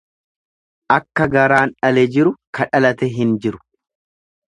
Akka garaan dhale jiru kadhalate hin jiru.